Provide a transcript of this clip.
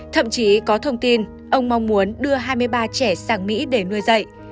thậm chí có thông tin ông mong muốn đưa hai mươi ba trẻ sang mỹ để nuôi dạy